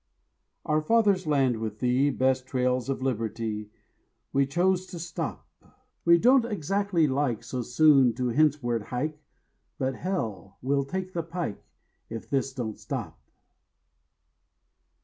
" Our father's land, with thee, Best trails of liberty, We chose to stop. We don't exactly like So soon to henceward hike, But hell, we'll take the pike If this don't stop.